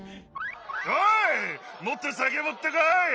おいもっと酒持ってこい！